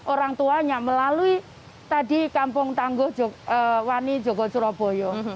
orang tuanya melalui tadi kampung tanggo wani jogosoroboyo